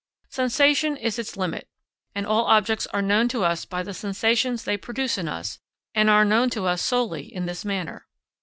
Sensation is its limit, and all objects are known to us by the sensations they produce in us, and are known to us solely in this manner.